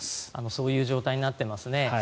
そういう状態になってますね。